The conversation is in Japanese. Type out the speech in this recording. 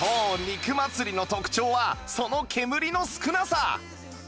肉祭りの特徴はその煙の少なさ